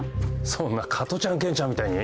そんな加トちゃんケンちゃんみたいに。